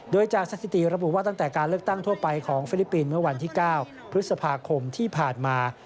โดยจากสถิติระบุว่าตั้งแต่การเลือกตั้งทั่วไปของฟิลิปปินส์เมื่อวันที่๙พฤษภาคมที่ผ่านมา